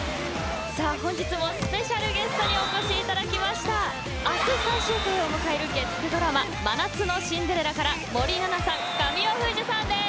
本日もスペシャルゲストにお越しいただきました明日最終回を迎える月９ドラマ真夏のシンデレラから森七菜さん、神尾楓珠さんです